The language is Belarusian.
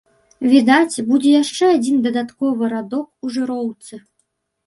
Відаць, будзе яшчэ адзін дадатковы радок у жыроўцы.